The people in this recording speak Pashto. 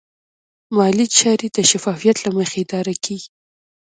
مالي چارې د شفافیت له مخې اداره کېږي.